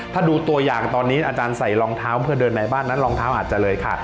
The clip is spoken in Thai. ถ้าดูตัวอย่างตอนนี้อาจารย์ใส่รองเท้าเพื่อเดินในบ้านนั้นรองเท้าอาจจะเลยค่ะ